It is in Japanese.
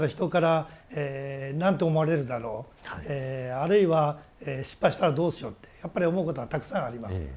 あるいは失敗したらどうしようってやっぱり思うことはたくさんあります。